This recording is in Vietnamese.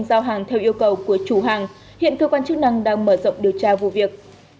giao hàng theo yêu cầu của chủ hàng hiện cơ quan chức năng đang mở rộng điều tra vụ việc